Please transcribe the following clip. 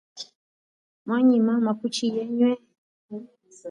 Mwanyi mama kuchi yenwe?